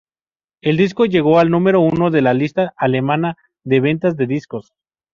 El disco llegó al número uno de la lista alemana de ventas de discos.